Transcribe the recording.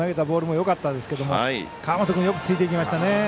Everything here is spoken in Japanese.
ボールもよかったですけども川元君よくついていきましたね。